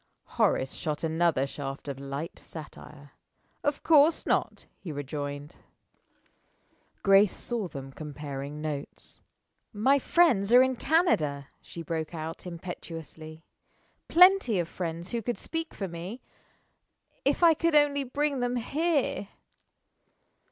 Horace shot another shaft of light satire. "Of course not!" he rejoined. Grace saw them comparing notes. "My friends are in Canada," she broke out, impetuously. "Plenty of friends who could speak for me, if I could only bring them here."